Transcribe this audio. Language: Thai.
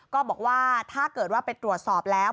ก็บอกว่าถ้าเกิดว่าไปตรวจสอบแล้ว